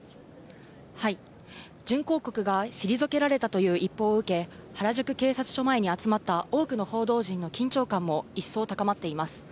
準抗告が退けられたという一報を受け、原宿警察署前に集まった多くの報道陣の緊張感も一層高まっています。